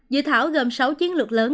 dự thảo gồm sáu chiến lược lớn